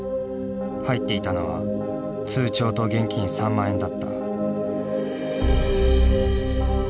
入っていたのは通帳と現金３万円だった。